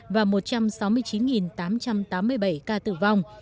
và một trăm sáu mươi chín tám trăm tám mươi bảy ca tử vong